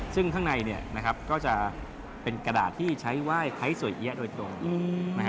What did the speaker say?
ซึ่งข้างในก็จะเป็นกระดาษที่ใช้ไหว้ไทยสวยเอี๊ยะโดยตรง